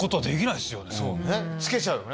つけちゃうよね